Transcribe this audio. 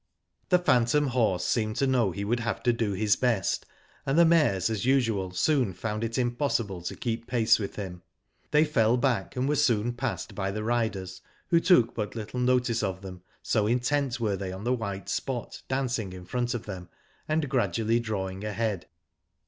The phantom horse seemed to know he would have to do his best, and the mares as usual soon found it impossible to. keep pace with him. They fell back and were soon passed by the riders, who took but little notice of them, so in tent were they on the white spot dancing in front of them, and gradually drawing ahead.